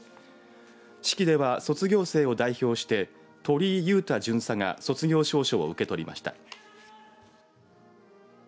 式では卒業生を代表して鳥居勇汰巡査が卒業証書を受け取りました。